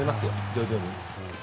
徐々にね。